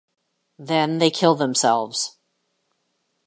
Then they kill themselves.